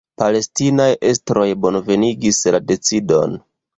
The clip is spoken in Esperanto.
Palestinaj estroj bonvenigis la decidon.